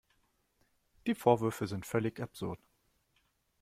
Die Vorwürfe sind völlig absurd.